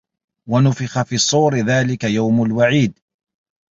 وَنُفِخَ فِي الصّورِ ذلِكَ يَومُ الوَعيدِ